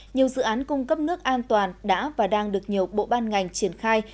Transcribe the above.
nhiều dự án cung cấp nước an toàn đã và đang được nhiều bộ ban ngành triển khai